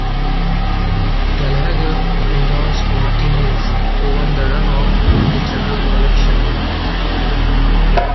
Gallagher endorsed Martinez, who won the run-off and the general election.